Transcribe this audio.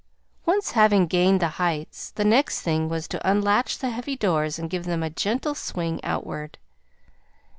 Once having gained the heights, the next thing was to unlatch the heavy doors and give them a gentle swing outward.